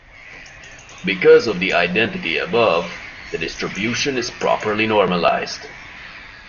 Because of the identity above, the distribution is properly normalized.